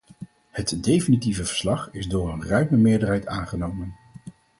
Het definitieve verslag is door een ruime meerderheid aangenomen.